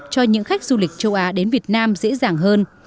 cho những khách du lịch châu á đến việt nam dễ dàng hơn